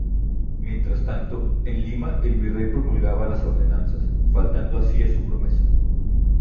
Mientras tanto, en Lima el Virrey promulgaba las ordenanzas, faltando así a su promesa.